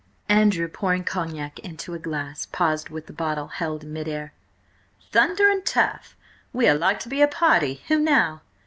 Andrew, pouring cognac into a glass, paused with bottle held in mid air. "Thunder and turf! We are like to be a party! Who now?"